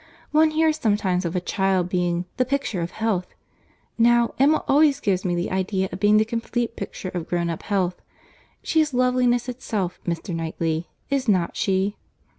One hears sometimes of a child being 'the picture of health;' now, Emma always gives me the idea of being the complete picture of grown up health. She is loveliness itself. Mr. Knightley, is not she?"